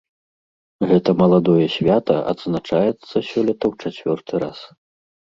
Гэта маладое свята адзначаецца сёлета ў чацвёрты раз.